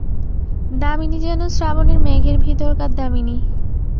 দামিনী যেন শ্রাবণের মেঘের ভিতরকার দামিনী।